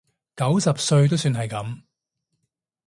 九十歲都算係噉